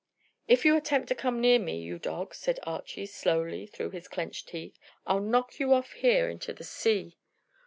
"If you attempt to come near me, you dog," said Archy slowly through his clenched teeth, "I'll knock you off here into the sea."